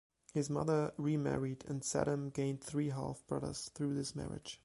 His mother remarried, and Saddam gained three half-brothers through this marriage.